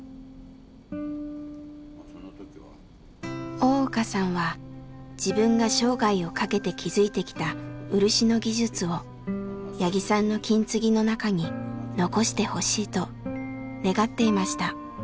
大岡さんは自分が生涯をかけて築いてきた漆の技術を八木さんの金継ぎの中に残してほしいと願っていました。